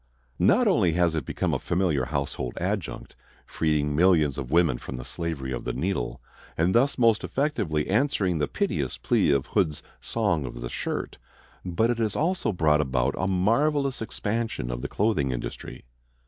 Not only has it become a familiar household adjunct, freeing millions of women from the slavery of the needle, and thus most effectively answering the piteous plea of Hood's "Song of the Shirt," but it has also brought about a marvelous expansion of the clothing industry.